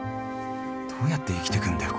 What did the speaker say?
どうやって生きてくんだよ